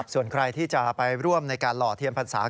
ส่วนใครที่จะไปร่วมในการหล่อเทียนพรรษา